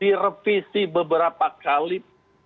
direvisi beberapa kali